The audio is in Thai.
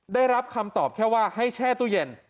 ได้รับคำตอบแค่ว่าให้แช่ตู้เย็น